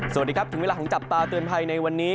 สวัสดีครับถึงเวลาของจับตาเตือนภัยในวันนี้